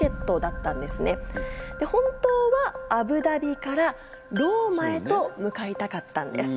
本当はアブダビからローマへ向かいたかったんです。